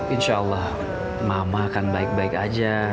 insya allah mama akan baik baik aja